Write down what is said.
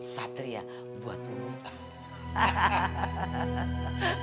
satria buat umur